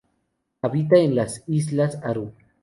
Habita en las islas Aru.